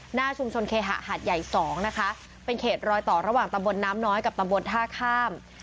หน้าชุมชนเคหะหาดใหญ่๒นะคะเป็นเขตรอยต่อระหว่างตำบลน้ำน้อยกับตำบลท่าข้าม